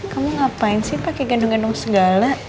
kamu ngapain sih pakai gandung gandung segala